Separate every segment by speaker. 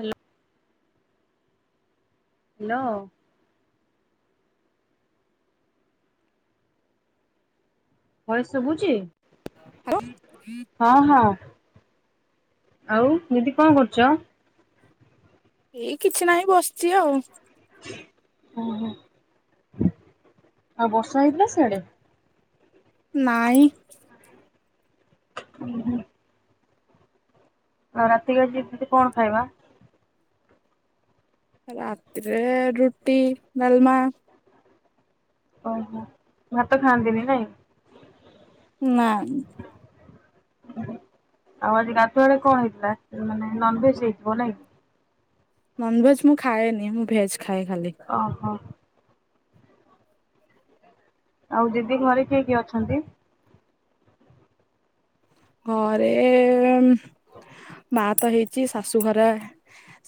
Speaker 1: Hello. Hello. Voice ଶୁଭୁଚି।
Speaker 2: ହଁ [unintelligible]
Speaker 1: ହଁ। ଆଉ ଦିଦି କଣ କରୁଚ?
Speaker 2: ଏଇ କିଛି ନାହିଁ ବସିଛି ଆଉ
Speaker 1: ହଁ, ହଁ, ଆଉ ବର୍ଷା ହେଇଥିଲା ସିଆଡେ।
Speaker 2: ନାଇଁ
Speaker 1: ହୁଁ ହୁଁ। ଆଉ ରାତିକି ଆଜିି ଦିଦି କଣ ଖାଇବା?
Speaker 2: ରାତିରେ ରୁଟି, ଡାଲମା।
Speaker 1: ଓହୋ ଭାତ ଖାଆନ୍ତିନି ନାଇଁ।
Speaker 2: ନାଁ।
Speaker 1: ଆଉ ଆଜି ଗାଧୂଆବେଳେ କଣ ହେଇଥିଲା ମାନେ ନନଭେଜ୍ ହେଇଥିବ ନାଇଁ?
Speaker 2: ନନଭେଜ୍ ମୁଁ ଖାଏନି ମୁଁ ଭେଜ୍
Speaker 1: ଓ ହୋ। ଆଉ ଦିଦି ଘରେ କିଏ କିଏ ଅଛନ୍ତି?
Speaker 2: ଘରେ ଏ ମ। ମାଆ ତ ହେଇଚି ଶାଶୁ ଘରେ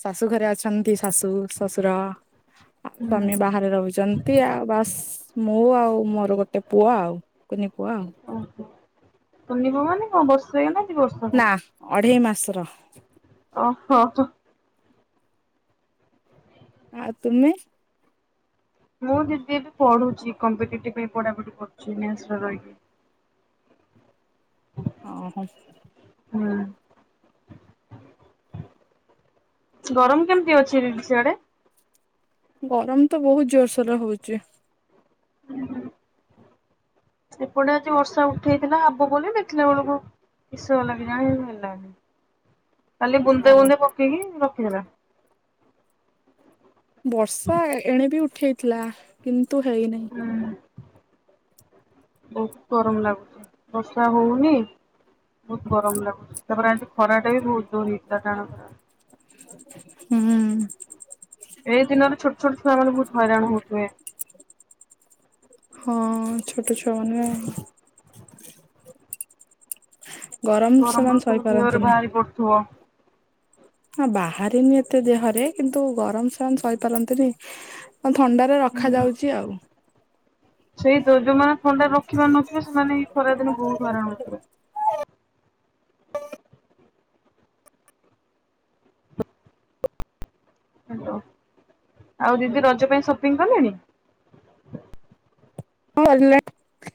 Speaker 2: ଶାଶୁ ଘରେ ଅଛନ୍ତି ଶାଶୁ, ଶଶୁର। ଆଉ ସ୍ୱାମୀ ବାହାରେ ରହୁଛନ୍ତି ଆଉ ବାସ୍। ମୁଁ ଆଉ ମୋର ଗୋଟେ ପୁଅ ଆଉ କୁନି ପୁଅ ଆଉ
Speaker 1: ଓହୋ କୁନି ପୁଅ ମାନେ କଣ ବର୍ଷେ ନା
Speaker 2: ନା ଅଢେଇ ମାସର।
Speaker 1: ଓ ହୋ ହୋ।
Speaker 2: ଆଉ ତୁମେ।
Speaker 1: ମୁଁ ଦିଦି ଏବେ ପଢୁଛି କଂପିଟିଟିଭ ପାଇଁ ପଢ଼ା ପଢ଼ି କରୁଚି ମେସ ରେ ରହିକି।
Speaker 2: ଓ ହୋ।
Speaker 1: ହୁଁ। ଗରମ କେମିତି ଅଛି ଦିଦି ସିଆଡେ?
Speaker 2: ଗରମ ତ ବହୁତ ଜୋରସୋରରେ ହୋଉଛି।
Speaker 1: ହୁଁ ଏପଟେ ଆଜି ବର୍ଷା ଉଠେଇଥିଲା ହବ ବୋଲି ଦେଖିଲା ବେଳକୁ। କିଷ ହେଲା କେଜାଣି ହେଲାନି। କାଲି ବୁନ୍ଦେ
Speaker 2: ହଁ
Speaker 1: ବୁନ୍ଦେ ପକେଇକି ରଖିଦେଲା।
Speaker 2: ବର୍ଷା ଏ-ଏଣେ ବି ଉଠେଇଥିଲା କିନ୍ତୁ ହେଇ ନାହି।
Speaker 1: ହୁଁ ବହୁତ ଗରମ ଲାଗୁଛି ବର୍ଷା ହଉନି। ବହୁତୁ ଗରମ ଲାଗୁଛି ତାପରେ ଆଜି ଖରାଟା ବି ବହୁତ ଜୋର ରେ ହେଇଥିଲା ଟାଣ ଖରା।
Speaker 2: ହୁଁ।
Speaker 1: ଏଇ ଦିନରେ ଛୋଟ ଛୋଟ ଛୁଆ ମାନେ ବହୁତ ହଇରାଣ ହଉଥିବେ।
Speaker 2: ହଁ ଛୋଟ ଛୁଆ ମାନେ।
Speaker 1: ଗରମ
Speaker 2: ସେମାନେ
Speaker 1: ସବୁ ଦେହରେ
Speaker 2: ସହିପାରନ୍ତିନି।
Speaker 1: ବାହାରି ପଡୁଥିବ।
Speaker 2: ହଁ ବାହାରେନି ଏତେ ଦେହରେ କିନ୍ତୁ ଗରମ ସେମାନେ ସହିପାରନ୍ତିନି। ହଁ ଥଣ୍ଡାରେ
Speaker 1: ହୁଁ
Speaker 2: ରଖାଯାଉଛି ଆଉ।
Speaker 1: ସେଇ ତ ଯୋଉମାନେ ଥଣ୍ଡା ରଖିପାରୁନଥିବେ ସେମାନେ ଏଇ ଖରା ଦିନେ ବହୁତ ଖରା ହେଉଥିବେ। ହାଲୋ ଆଉ ଦିଦି ରଜ ପାଇଁ ସପିଙ୍ଗ କଲେଣି?
Speaker 2: ହଁ ସରିଲାଣି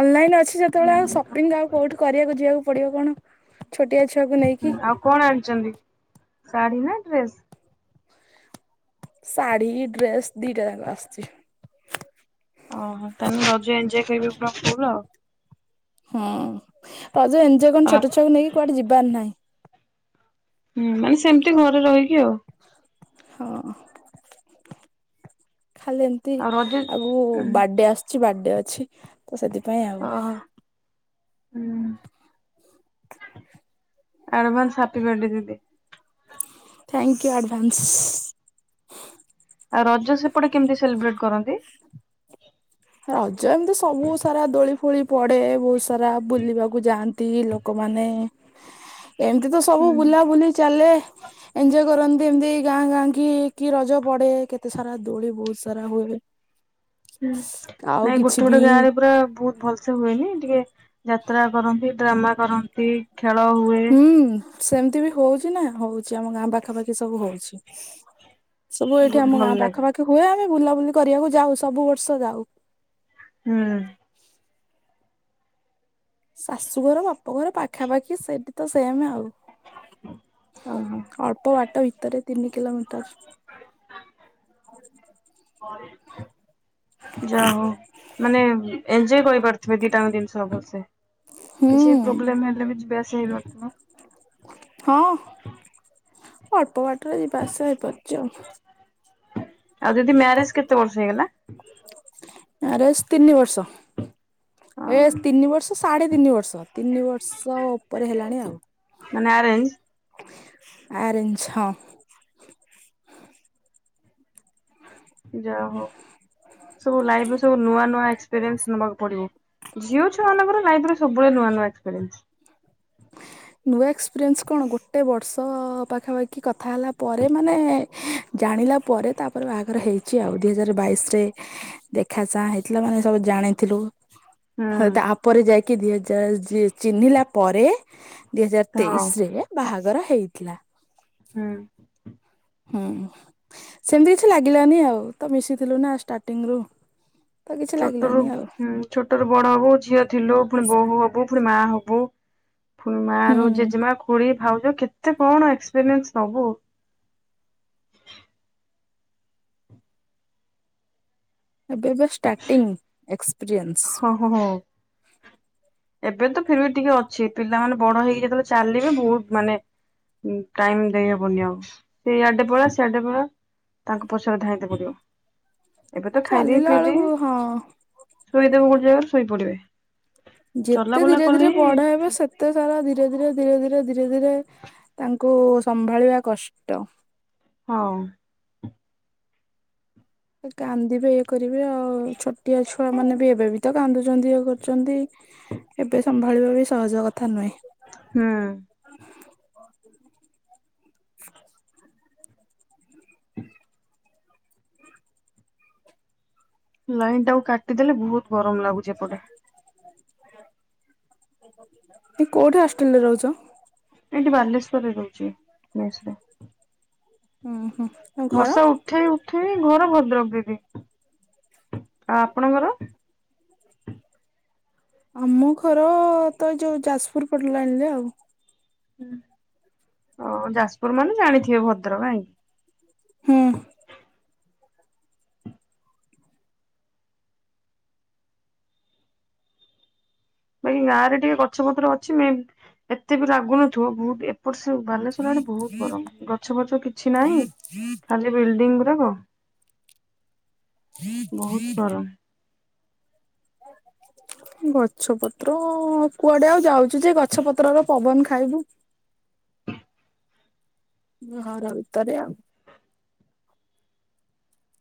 Speaker 2: ଅନଲାଇନ ଅଛି ଯେତେବେଳେ ଆଉ ସପିଙ୍ଗ ଆଉ କୋଉଠି କରିବାକୁ ଯିବାକୁ ପଡିବ କଣ ଛୋଟିଆ ଛୁଆକୁ ନେଇକି।
Speaker 1: ସାଢ଼ୀ ନା ଡ୍ରେସ।
Speaker 2: ଶାଢୀ ଡ୍ରେସ୍ ଦିଟା ଯାଙ୍କ ଆସୁଛି।
Speaker 1: ଓହୋ ତାହେଲେ ରଜ ଏଞ୍ଜୋୟ୍ କରିବେ ପୁରା ଫୁଲ ଆଉ।
Speaker 2: ହୁଁ ରଜ ଏଞ୍ଜୋୟ୍
Speaker 1: ଆ
Speaker 2: କଣ ଛୋଟ ଛୁଆକୁ ନେଇକି କୁଆଡେ ଯିବାର ନାହିଁ।
Speaker 1: ହୁଁ ମାନେ ସେମିତି ଘରେ ରହିକି ଆଉ।
Speaker 2: ହଁ। ଖାଲି ଏମିତି
Speaker 1: ଆଉ ରଜ
Speaker 2: ଆଗକୁ ବାଡେ ଆସୂଛି ବାଡେ ଅଛି ତ ସେଥି ପାଇଁ ଆଉ।
Speaker 1: ଓହୋ ହୁଁ। ଆଡଭାନ୍ସ ହାପୀ ବାଡେ ଦିଦି।
Speaker 2: Thank you advance.
Speaker 1: ଆଉ ରଜ ସେପଟେ କେମିତି ସେଲିବ୍ରେଟ କରନ୍ତି।
Speaker 2: ରଜ ଏମିତି ସବୁ ସାରା ଦୋଳି ଫୋଳି ପଡେ ବହୁତ ସାରା ବୁଲିବାକୁ ଯାଆନ୍ତି ଲୋକମାନେ ମାନେ ଏମିତି ତ ସବୁ ବୁଲାବୁଲି ଚାଲେ ଏଞଜୟ କରନ୍ତିୁ ଏମିତି ଗାଁ ଗାଁ କି କି ରଜ ପଡେ କେତେ ସାରା ଦୋଳି ବହୁତ ସାରା ହୁଏ।
Speaker 1: ହୁଁ
Speaker 2: ଆଉ
Speaker 1: ନାଇଁ ଗୋଟେ
Speaker 2: କିଛି ବି
Speaker 1: ଗୋଟେ ଗାଁ ରେ ପୁରା ବହୁତ ଭଲସେ ହୁଏନି ଟିକେ ଯାତ୍ରା କରନ୍ତି ଡ୍ରାମା କରନ୍ତି ଖେଳ ହୁଏ।
Speaker 2: ହୁଁ ସେମିତି ବି ହଉଛି ନା ହଉଛି ଆମ ଗାଁ ପାଖାପାଖି ସବୁ ହଉଛି। ସବୁ ଏଇଠି
Speaker 1: ବହୁତ
Speaker 2: ଆମ
Speaker 1: ଭଲ
Speaker 2: ଗାଁ
Speaker 1: ଲାଗେ।
Speaker 2: ପାଖାପାଖି ହୁଏ ଆମେ ବୁଲାବୁଲି କରିବାକୁ ଯାଉ ସବୁ ବର୍ଷ ଯାଉ।
Speaker 1: ହୁଁ।
Speaker 2: ଶାଶୁଘର ବାପା ଘର ପାଖାପାଖି ସେଠି ତ ସେମ ଆଉ।
Speaker 1: ଓହୋ
Speaker 2: ଅଳ୍ପ ବାଟ ବି ତରେ ତିନି କିିଲୋମିଟର।
Speaker 1: ଯା ହଉ ମାନେ ଏଞଜୟ କ ଥିବେ ଦିଟାଙ୍କ ଜିନିଷ ଅବଶ୍ୟ
Speaker 2: ହୁଁ
Speaker 1: କିଛି ପ୍ରୋବ୍ଲେମ ହେଲେ ବି ଯିବା ଆସିବା ହେଇାରୁଥିବ।
Speaker 2: ହଁ। ଅଳ୍ପ ବାଟରେ ଯିବା ଆସ ହେଇପାରୁଚି ଆଉ।
Speaker 1: ଆଉ ଦିଦି ମ୍ୟାରେଜ କେତେ ବର୍ଷ ହେଇଗଲା?
Speaker 2: ମ୍ୟାରେଜ୍ ତିନି ବର୍ଷ।
Speaker 1: ହଁ
Speaker 2: ଏ ତିନି ବର୍ଷ ସାଢେ ତିନି ବର୍ଷ ତିନି ବର୍ଷ ଉପରେ ହେଲାଣି ଆଉ।
Speaker 1: ମାନେ ଆରେଞ୍ଜ?
Speaker 2: ଆରେଞ୍ଚ ହଁ।
Speaker 1: ଯା ହଉ ସବୁ ଲାଇଫରେ ସବୁ ନୂଆ ନୂଆ ଏକ୍ସପିରିଏନ୍ସ ନବାକୁ ପଡିବ ଝିଅ ଛଆ ମାନଙ୍କର ଲାଇଫ ରେ ସବୁବେଳେ ନୂଆ ନୂଆ ଏକ୍ସପେରେନ୍ସ।
Speaker 2: ନୂଆ ଏକ୍ସପିରିଏନ୍ସ କଣ ଗୋଟେ ବର୍ଷ ପାଖାପାଖି କଥା ହେଲା ପରେ ମାନେ ଜାଣିଲ ଲା ପରେ ତାପରେ ବାହାଘର ହେଇଛି ଆଉ ଦୁଇ ହଜାର ବାଇଶରେ ଦେଖା ଚାହାଁ ହେଇଥିଲା ମାନେ ସବୁ ଜାଣିଥିଲୁ।
Speaker 1: ହୁଁ
Speaker 2: ତାପରେ ଯାଇକି ଦି ହଜାର ଚିହ୍ନିଲା ପରେ। ଦିଇ ହଜାର
Speaker 1: ହଁ
Speaker 2: ତେଇଶ ରେ ବାହାଘର ହେଇଥିଲା।
Speaker 1: ହୁଁ।
Speaker 2: ହୁଁ ସେମିତି କିଛି ଲାଗିଲାନି ଆଉ ତ ମିଶିଥିଲୁ ନା ଷ୍ଟାର୍ଟିଂ ରୁ। ତ କିଛି
Speaker 1: ଛୋଟ ରୁ
Speaker 2: ଲାଗିଲାନି ଆଉ
Speaker 1: ଛୋଟ ରୁ ବଡ ହବୋ ଝିଅ ଥିଲୁ ପୁଣି ବୋହୂ ହବୁ ପୁଣି ମାଆ ହବୁ ପୁଣି ମା ରୁ
Speaker 2: ହୁଁ
Speaker 1: ଜେଜେମା ଖୋଡି। ଭାଉଜ କେତେ କଣ ଏକ୍ସପିରିଏନ୍ସ ନବୁ।
Speaker 2: ଏବେଏବେ ଷ୍ଟାର୍ଟି ଏକ୍ସପିରିଏନ୍ସ।
Speaker 1: ହଁ ହଁ ହଁ ଏବେ ତ ଫିର ବି ଟିକେ ଅଛି ପିଲାମାନୋନେ ବଡ ହେଇକି ଯେତେବେଳେ ଚାଲିବେ ବହୁତ ମାନେ ଟାଇମ ଦେଇହବନି ଆଉ ସେ ଆଡେ ପଳା ସେଆଡେ ପଳା। ତାଙ୍କୁ ପସରେ ଧାଇଁଦ ପଡିବ ଏବେ ତ ଖାଇଦିି
Speaker 2: ଚାଲିଲା
Speaker 1: ପିଇଦି
Speaker 2: ବେଳକୁ ହଁ
Speaker 1: ଶୋଇଦବ ଗୋଟେ ଜାଗାରେ ଶୋଇପଡିବେ।
Speaker 2: ଯେତେ
Speaker 1: ଚଲାବୁଲା
Speaker 2: ଧୀରେ
Speaker 1: କଲେ
Speaker 2: ଧୀରେ
Speaker 1: ହିଁ
Speaker 2: ବଢ ହେବେ ସେତେ ସାରା ଧୀରେ ଧୀରେ ଧୀରେ ଧୀରେ ଧି ଧୀରେ ଧୀରେ ତାଙ୍କୁ ସମ୍ଭାଳିବା କଷ୍ଟ।
Speaker 1: ହଁ।
Speaker 2: କାନ୍ଦିବେ ଇଏ କରିବେ ଆଉ ଛୋଟିଆ ଛୁଆ ମାନେ ବି ଏବେ ବି ତ କାନ୍ଦୁଛନ୍ତି ଇଏ କରୁଛନ୍ତି। ଏବେ ସମ୍ଭାଳିବା ବି ସହଜ କଥା ନୁହେଁ।
Speaker 1: ହଁ। ହଁ ଲାଇନ ଟାକୁ କାଟିଦେଲେ ବହୁତ ଗରମ ଲାଗୁଛି ଏପଟେ।
Speaker 2: ଦି କୋଉଠି ହଷ୍ଟ୍ରେଲରେ ରହୁଛ?
Speaker 1: ଏଇଠି ବାଲେଶ୍ଵରରେ ରହୁଛି ମେସ ରେ।
Speaker 2: ଉ ହଁ।
Speaker 1: ବର୍ଷା ଉଠେଇ ଉଠେଇ ଘର ଭଦ୍ରକ ଦିଦି। ଆଉ ଆପଣଙ୍କର?
Speaker 2: ଆମ ଘର ତ ଏଇ ଯୋଉ ଯାଜପୁର ପଟ ଲାଇନ ରେ ଆଉ।
Speaker 1: ହଁ ଯାଜପୁର ମାନେ ଜାଣିଥିବେ ଭଦ୍ରକ ନା କି
Speaker 2: ହୁଁ
Speaker 1: ବାକି ଗାଁ ରେ ଟିକେ ଗଛ ପତ୍ର ଅଛି। ମେ ବି ଏତେ ବି ଲାଗୁନଥିବ ବହୁତ ଏପଟ ସି ବାଲେଶ୍ଵର ଆଡ଼େ ବହୁତ ଗରମ ଗଛ ଫଛ କିଛି ନାହିଁ ଖାଲି ବିଲଡିଙ୍ଗ ନା କଅ
Speaker 2: ଜି ି ଗଛ ପତ୍ର କୁଆଡେ ଆଉ ଯାଉଚୁ ଯେ ଗଛ ପତ୍ରର ପବନ ଖାଇବୁ
Speaker 1: ହ
Speaker 2: ମୁଁ ଘର ଭିତରେ ଆଉ।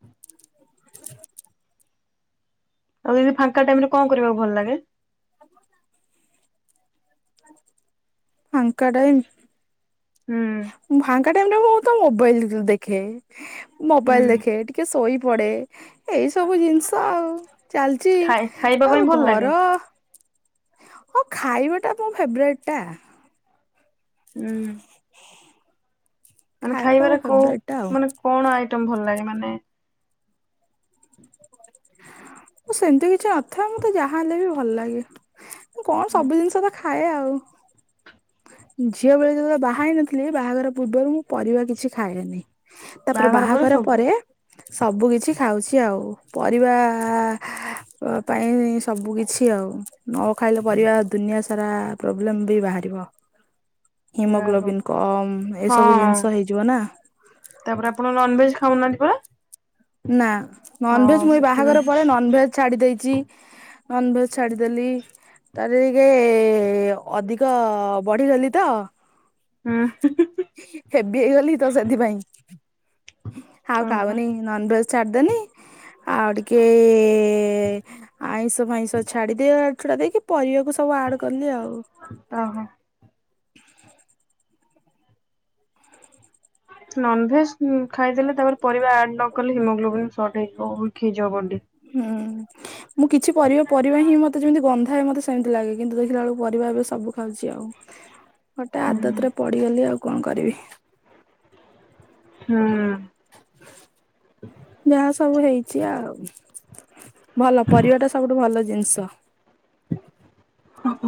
Speaker 1: ହୁଁ ଆଉ ଯଦି ଫାଙ୍କା ଟାଇମରେ କଣ କରିବାକୁ ଭଲ ଲାଗେ?
Speaker 2: ଫାଙ୍କା ଟାଇମ୍?
Speaker 1: ହୁଁ
Speaker 2: ଫାଙ୍କା ଟାଇମ ରେ ମୁଁ ତ ମୋବାଇଲ ଯେ ଦେଖେ ମୋବାଇଲ
Speaker 1: ହୁଁ
Speaker 2: ଦେଖେ ଟିକେ ଶୋଇ ପଡ଼େ ଏଇ ସବୁ ଜିନିଷ ଆଉ ଚାଲିଚି।
Speaker 1: ଖାଇ ଖାଇବା ପାଇଁ ଭଲ ଲାଗେ?
Speaker 2: ହଁ ଖାଇବା ଟା ମୋ ଫେବରାଇଟ ଟା।
Speaker 1: ହୁଁ। ମାନେ
Speaker 2: ଖାଇବା ଟା ମୋ
Speaker 1: ଖାଇବାରେ କୋଉ
Speaker 2: ଫେବରାଇଟ ଟା ଆଉ।
Speaker 1: ମାନେ କଣ ଆଇଟମ ଭଲ ଲାଗେ ମାନେ
Speaker 2: ସେମିତି କିଛି ନଥାଏ ମତେ ଯାହା ହେଲେ ବି ଭଲ ଲାଗେ। କଣ ସବୁ ଜିନିଷ ତ ଖାଏ ଆଉ। ଝିଅ ବେଳେ ଯେତେବେଳେ ବାହା ହେଇ ନଥିଲି ବାହାଘର ପୂର୍ବରୁ ମୁଁ ପରିବା କିଛି ଖାଏନି। ତାପରେ ବାହାଘର ପରେ ସବୁ କିଛି ଖାଉଛି ଆଉ ପରିବା ପାଇଁ ସବୁ କିଛି ଆଉ ନ ଖାଇଲେ ପରିବା ଦୁନିଆ ସାରା ପ୍ରୋବ୍ଲେମ ବି ବାହାରିବ।
Speaker 1: ଯାହା ହଉ
Speaker 2: ହିମୋଗ୍ଲୋବନ୍ କମ ଏଇସବୁ
Speaker 1: ହଁ
Speaker 2: ଜିନିଷ ହେଇଯିବ ନା।
Speaker 1: ତାପରେ ଆପଣ ନନଭେଜ ଖାଉନାହାନ୍ତି ପରା?
Speaker 2: ନା ନନଭେଜ
Speaker 1: ହଁ
Speaker 2: ମୁଁ ଏଇ
Speaker 1: ସେଥିପାଇଁ
Speaker 2: ବାହାଘର ପରେ ନନଭେଜ ଛାଡି ଦେଇଚି ନନଭେଜ ଛାଡ଼ିଦେଲି। ତାର ଟିକେ ଅଧିକ ବଢିଗଲି ତ
Speaker 1: ହୁଁ
Speaker 2: ହେବି ହେଇଗଲି ତ ସେଥିପାଇଁ ଆଉ
Speaker 1: ଓହୋ
Speaker 2: ଖାଉନି ନନ୍ ଭେଜ। ଛାଡ଼ିଦେନି ଆଉ ଟିକେ ଆଇଁଷ ଫାଇଁଷ ଛାଡିଦିଆ ଡା ଦେଇକି ପରିବାକୁ ସବୁ ଆଡ କଲି ଆଉ।
Speaker 1: ଓହୋ [inaudible] ନନ ଭେଜ୍ ଉଁ ଖାଇଦେଲେ ତା ପରେ ପରିବା ଆଡ଼୍ ନକଲେ ହିମୋଗ୍ଲୋବିନ୍ ସର୍ଟ ହେଇଯିବ ଉଇକ୍ ହେଇଯିବ ବଡ଼ି।
Speaker 2: ହୁଁ ମୁଁ କିଛି ପରିବା ପରିବା ହିଁ ମତେ ଯେମିତି ଗନ୍ଧାଏ ମତେ ସେମିତି ଲାଗେ। କିନ୍ତୁ ଦେଖିଲା ବେଳକୁ ପରିବା ଏବେ ସବୁ ଖାଉଛି ଆଉ ଗୋଟେ ଆଦତରେ ପଡିଗଲି ଆଉ କଣ କରିବି
Speaker 1: ହୁଁ।
Speaker 2: ଯାହା ସବୁ ହେଇଚି ଆଉ। ଭଲ ପରିବାଟା ସବୁଠୁ ଭଲ ଜିନଷ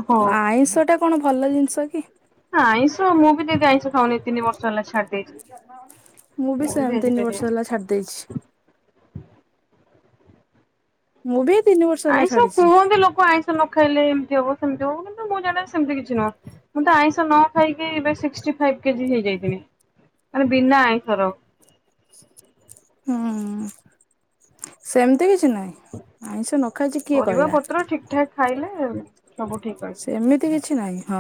Speaker 1: ହଁ
Speaker 2: ଆଇଁଷ ଟା କଣ ଭଲ ଜିନିଷ କି
Speaker 1: ଆଇଁଷ ମୁଁ ବିି ଆଇଁଷ ଖଉନି ତିନି ବର୍ଷ ହେଲା ଛା
Speaker 2: ମୁଁ ବି ସେମତି ତିନି ବର୍ଷ
Speaker 1: ଭେଜିଟେରିଆନ
Speaker 2: ହେଲା ଛାଡି ଦେଇେଛି।
Speaker 1: [unintelligible]
Speaker 2: ମୁଁ ବି ତିନି ବର୍ଷ ହେଲା
Speaker 1: ଆଇଁଷ
Speaker 2: ଛାଡିଛି
Speaker 1: କୁହନ୍ତି ଲୋକ ଆଇଁଷ ନ ଖାଇଲେ ଏମିତି ହବ ସେମିତି ହବ କିନ୍ତୁ ମୁଁ ଜାଣ ସେମିତି କିଛି ନୁହଁ। ମୁଁ ତ ଆଇଁଷ ନ ଖାଇକି ଏବେ ସିକ୍ସଟିଫାଇ କେଜି ହେଇଯାଇଥିନି। ମାନେ ବିନା ଆଇଁଷର।
Speaker 2: ହୁଁ ସେମତି କିଛି ନାହିଁ। ଆଇଷ ନ ଖାଇଛି କିଏ
Speaker 1: ପରିବା
Speaker 2: କହିଲା
Speaker 1: ପତ୍ର ଠିକ ଠାକ ଖାଇଲେ ସବୁ ଠିକ୍ ଅଛି।
Speaker 2: ସେମିତି କିଛି ନାହିଁ ହଁ।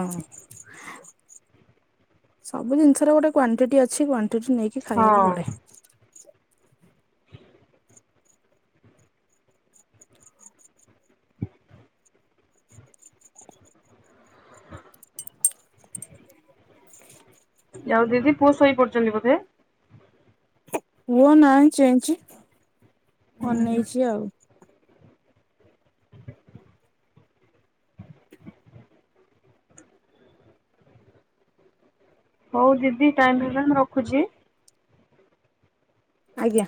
Speaker 2: ସବୁ ଜିନିଷର ଗୋଟେ କ୍ଵାଣ୍ଟିଟି ଅଛି କ୍ୱା ଟୁ ଠୁ ନେଇକି ଖାଇବାକୁ ପଡେ
Speaker 1: ହ ଆଉ ଦିଦି ପୁଅ ସୋଇ ପଡଚନ୍ତି ବୋଧେ?
Speaker 2: ପୁଅ ନାଁଇ ଚେଁଇଚି ଅନେଇଛି ଆଉ
Speaker 1: ହଉ ଦିଦି ଟାଇମ ହେଲାଣି ମୁଁ ରଖୁଚି।
Speaker 2: ଆଜ୍ଞା।